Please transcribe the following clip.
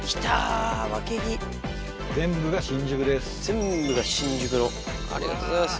全部が新宿のありがとうございます。